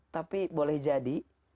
tapi boleh jadi